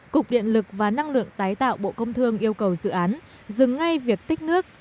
cục điện lực và năng lượng tái tạo bộ công thương yêu cầu dự án dừng ngay việc tích nước